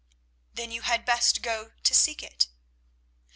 "Then you had best go to seek it."